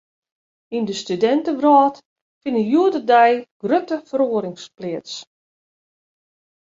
Yn de studintewrâld fine hjoed-de-dei grutte feroarings pleats.